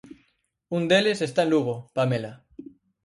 Un deles está en Lugo, Pamela.